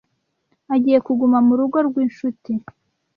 Agiye kuguma mu rugo rw'inshuti.